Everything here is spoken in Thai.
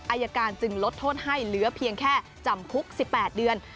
อายการจึงลดโทษให้เหลือเพียงแค่จำคุก๑๘เดือน